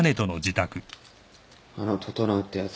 あの整ってやつ